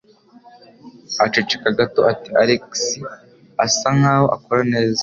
Aceceka gato ati: "Alex asa nkaho akora neza".